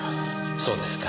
そうですか。